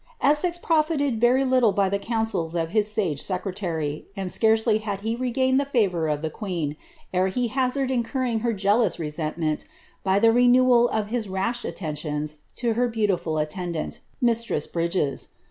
Essex profited very little by the counsels of his sage secretary ; and scarcely had he regained the iavour of the queen, ere he hazarded incurring her jealous resentment by a renewal of his rash attentions to her beautiful attendant, mistress Bridges.